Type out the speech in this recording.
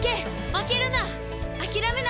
負けるな！